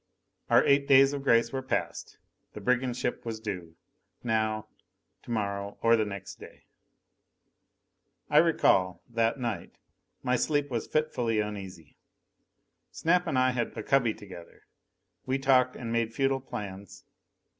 Our eight days of grace were passed. The brigand ship was due now, tomorrow, or the next day. I recall, that night, my sleep was fitfully uneasy. Snap and I had a cubby together. We talked, and made futile plans.